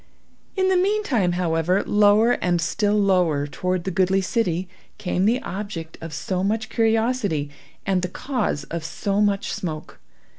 In the meantime, however, lower and still lower toward the goodly city, came the object of so much curiosity, and the cause of so much smoke.